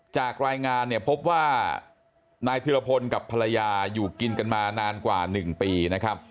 จากรายงานเนี่ยพบว่านายธิรพลกับภรรยาอยู่กินกันมานานกว่า๑ปีนะครับ